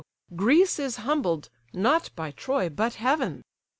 Greece is humbled, not by Troy, but Heaven.